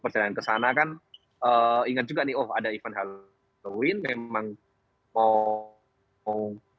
perjalanan ke sana kan inget juga nih oh ada event halloween memang mau